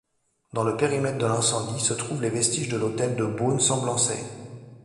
Dans le périmètre de l'incendie se trouvent les vestiges de l'hôtel de Beaune-Semblançay.